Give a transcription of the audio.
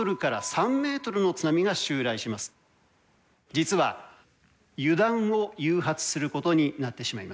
実は油断を誘発することになってしまいます。